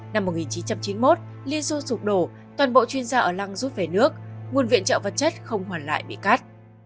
năm một nghìn chín trăm chín mươi một liên xô sụp đổ toàn bộ chuyên gia ở lăng rút về nước nguồn viện trợ vật chất không hoàn lại bị cắt